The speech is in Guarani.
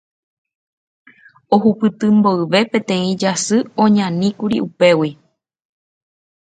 Ohupyty mboyve peteĩ jasy oñaníkuri upégui.